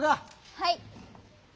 はい。